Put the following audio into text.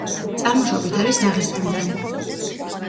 წარმოშობით არის დაღესტნიდან.